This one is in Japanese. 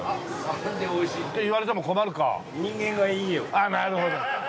あっなるほど。